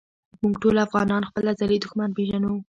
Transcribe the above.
مونږ ټولو افغانان خپل ازلي دښمن پېژنو